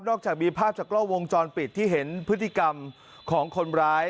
จากมีภาพจากกล้องวงจรปิดที่เห็นพฤติกรรมของคนร้าย